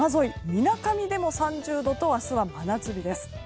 みなかみでも３０度と明日は真夏日です。